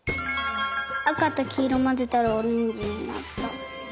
あかときいろまぜたらオレンジになった。